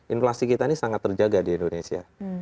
inflasi kita ini sangat terjaga di indonesia